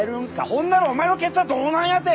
ほんならお前のケツはどうなんやて！